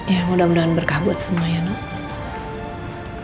ya mudah mudahan berkah buat semua ya nak